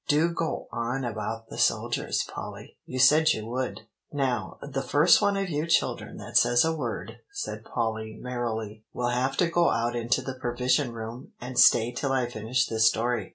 Do go on about the soldiers, Polly; you said you would." "Now, the first one of you children that says a word," said Polly merrily, "will have to go out into the Provision Room and stay till I finish this story.